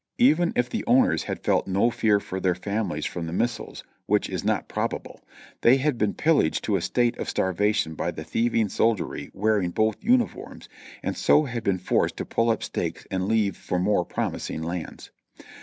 Even if the owners had felt no fear for their families, from the missiles, which is not probable, they had been pillaged to a state of starvation by the thieving soldiery wearing both uniforms, and so had been forced to pull up stakes and leave for more promising lands.